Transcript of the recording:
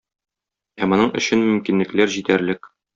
Ә моның өчен мөмкинлекләр җитәрлек.